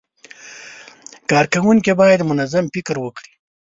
کارکوونکي باید منظم فکر وکړي.